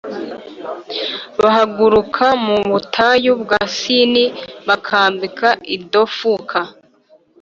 Bahaguruka mu butayu bwa Sini bakambika i Dofuka